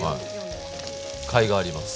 かいがあります。